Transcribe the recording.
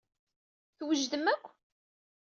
Twejdem akk?